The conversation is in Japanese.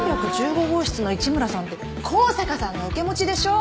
３１５号室の一村さんって向坂さんの受け持ちでしょ！